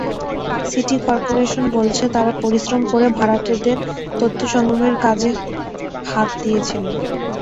City corporation বলছে, তারা পরিশ্রম করে ভাড়াটেদের তথ্য সংগ্রহের কাজে হাত দিয়েছিল।